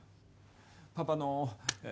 パパの、え？